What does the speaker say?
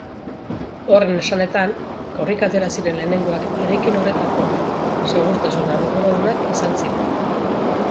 Horren esanetan, korrika atera ziren lehenengoak eraikin horretako segurtasun arduradunak izan ziren.